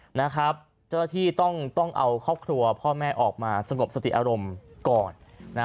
เจ้าหน้าที่ต้องเอาครอบครัวพ่อแม่ออกมาสงบสติอารมณ์ก่อน